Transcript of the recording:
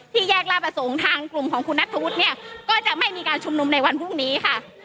แยกลาประสงค์ทางกลุ่มของคุณนัทธวุฒิเนี่ยก็จะไม่มีการชุมนุมในวันพรุ่งนี้ค่ะ